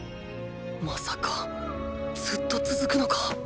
まさかずっと続くのか？